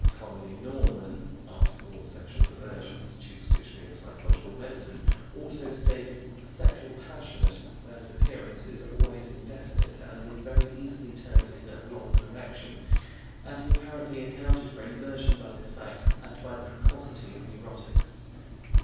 Conolly Norman (Article "Sexual Perversion," Tuke's Dictionary of Psychological Medicine) also stated that "the sexual passion, at its first appearance, is always indefinite, and is very easily turned in a wrong direction," and he apparently accounted for inversion by this fact, and by the precocity of neurotics.